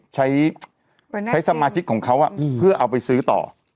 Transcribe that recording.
ใช้ใช้สมาชิกของเขาเพื่อเอาไปซื้อต่อ